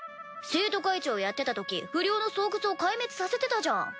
生徒会長やってたとき不良の巣窟を壊滅させてたじゃん。